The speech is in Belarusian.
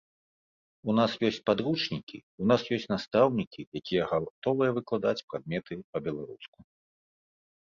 У нас ёсць падручнікі, у нас ёсць настаўнікі, якія гатовыя выкладаць прадметы па беларуску.